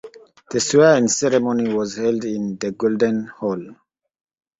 The swear in ceremony was held in the Golden Hall.